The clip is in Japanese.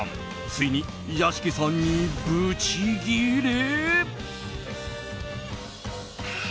ついに、屋敷さんにぶち切れ。